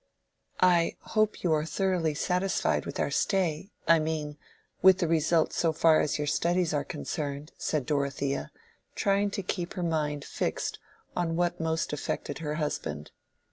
"I hope you are thoroughly satisfied with our stay—I mean, with the result so far as your studies are concerned," said Dorothea, trying to keep her mind fixed on what most affected her husband.